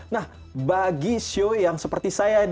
nah bagi sio yang seperti saya